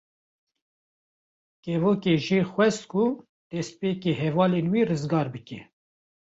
Kevokê jê xwest ku destpêkê hevalên wê rizgar bike.